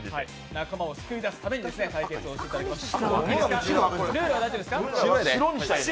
仲間を救い出すために対決していただきます。